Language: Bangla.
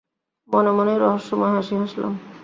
মনে মনেই রহস্যময় হাসি হাসলাম।